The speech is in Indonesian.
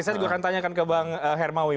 saya juga akan tanyakan ke bang hermawi